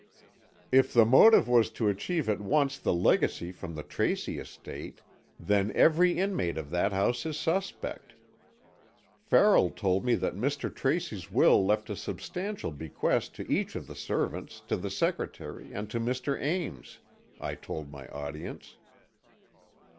"If the motive was to achieve at once the legacy from the Tracy estate, then every inmate of that house is suspect. Farrell told me that Mr. Tracy's will left a substantial bequest to each of the servants, to the secretary and to Mr. Ames," I told my audience.